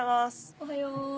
おはよう。